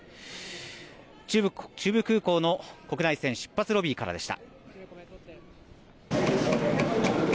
中部空港の国内線出発ロビーからでした。